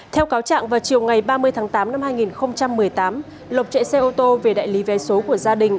theo cáo trạng vào chiều ngày ba mươi tháng tám năm hai nghìn một mươi tám lộc chạy xe ô tô về đại lý vé số của gia đình